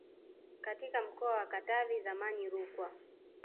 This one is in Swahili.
katika mkoa wa Katavi zamani Rukwa